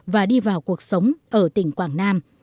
và đi vào cuộc sống ở tỉnh quảng nam